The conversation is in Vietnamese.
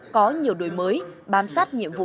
có nhiều đối mới bám sát nhiệm vụ